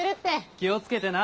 気を付けてな。